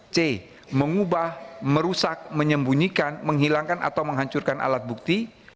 c mengubah merusak menyembunyikan menghilangkan atau menghancurkan alat bukti